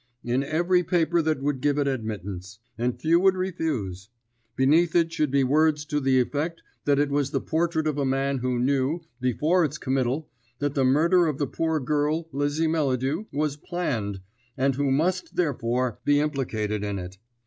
"In every paper that would give it admittance; and few would refuse. Beneath it should be words to the effect that it was the portrait of a man who knew, before its committal, that the murder of the poor girl Lizzie Melladew was planned, and who must, therefore, be implicated in it.